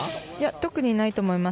特にないと思います。